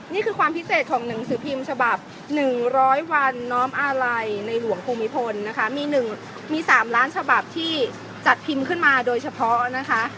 นี่คือความพิเศษของหนังสือพิมพ์ฉบับ๑๐๐วันน้อมอาลัยในหลวงภูมิพลนะคะมี๓ล้านฉบับที่จัดพิมพ์ขึ้นมาโดยเฉพาะนะคะ